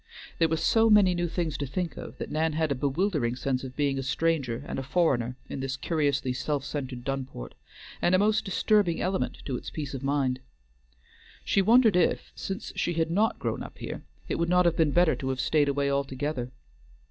There were so many new things to think of, that Nan had a bewildering sense of being a stranger and a foreigner in this curiously self centred Dunport, and a most disturbing element to its peace of mind. She wondered if, since she had not grown up here, it would not have been better to have stayed away altogether.